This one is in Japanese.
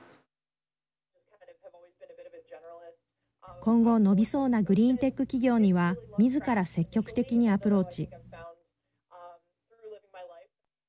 今後、伸びそうなグリーンテック企業にはみずから積極的にアプローチ。